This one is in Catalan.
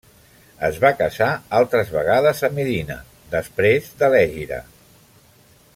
Es va casar altres vegades a Medina després de l'Hègira.